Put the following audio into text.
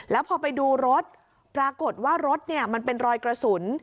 แล้วพอไปดูรถปรากฏว่ารถมันเป็นรอยกระสุน